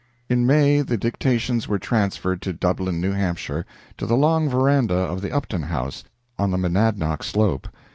In May the dictations were transferred to Dublin, New Hampshire, to the long veranda of the Upton House, on the Monadnock slope.